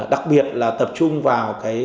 đặc biệt là tập trung vào